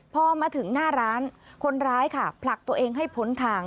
พอมาถึงหน้าร้านคนร้ายค่ะผลักตัวเองให้พ้นทาง